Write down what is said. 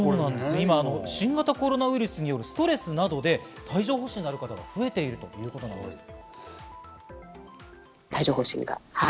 今、新型コロナウイルスによるストレスなどで帯状疱疹になる方が増えているということです。